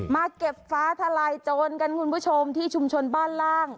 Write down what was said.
เก็บฟ้าทลายโจรกันคุณผู้ชมที่ชุมชนบ้านล่าง